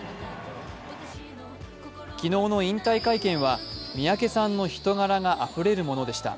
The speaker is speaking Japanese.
昨日の引退会見は三宅さんの人柄があふれるものでした。